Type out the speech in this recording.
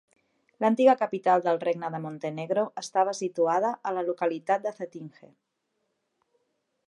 L'antiga capital del regne de Montenegro estava situada a la localitat de Cetinje.